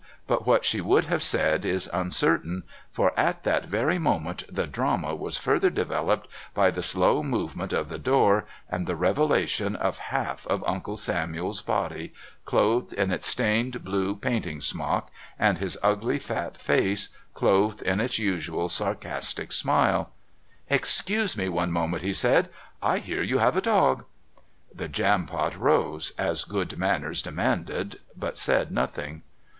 But what she would have said is uncertain, for at that very moment the drama was further developed by the slow movement of the door, and the revelation of half of Uncle Samuel's body, clothed in its stained blue painting smock, and his ugly fat face clothed in its usual sarcastic smile. "Excuse me one moment," he said; "I hear you have a dog." The Jampot rose, as good manners demanded, but said nothing.